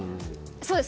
そうです。